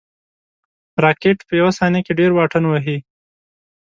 راکټ په یو ثانیه کې ډېر واټن وهي